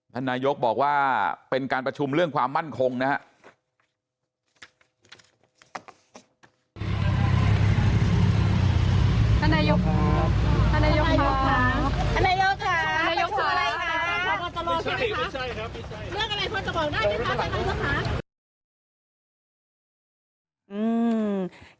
นายกบอกว่าเป็นการประชุมเรื่องความมั่นคงนะครับ